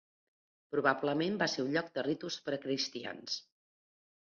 Probablement va ser un lloc de ritus precristians.